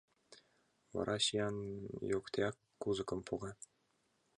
Вара сӱан йоктеак кузыкым пога.